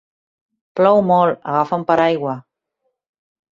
Plou molt, agafa un paraigua.